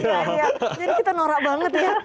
jadi kita norak banget ya